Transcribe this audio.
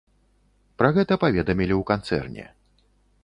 Пра гэта паведамілі ў канцэрне.